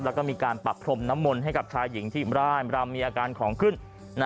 แล้วก็มีการปรับพรมน้ำมนต์ให้กับชายหญิงที่ร่ายรำมีอาการของขึ้น